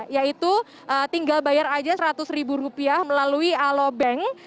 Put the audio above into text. yaitu tinggal bayar aja seratus ribu rupiah melalui alobank